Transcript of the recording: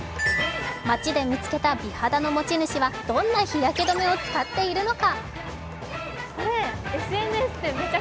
街で見つけた美肌の持ち主はどんな日焼け止めを使っているのか。